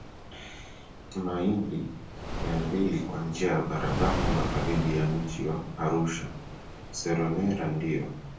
maili Mia mbili kwa njia ya barabara magharibi ya mji wa ArushaSeronera ndio